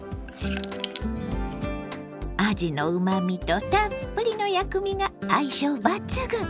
あじのうまみとたっぷりの薬味が相性抜群！